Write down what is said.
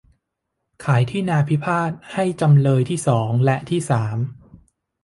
ขายที่นาพิพาทให้จำเลยที่สอง และที่สาม